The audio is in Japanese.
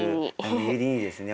ユリいいですね。